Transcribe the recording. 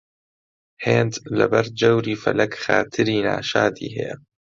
هێند لەبەر جەوری فەلەک خاتری ناشادی هەیە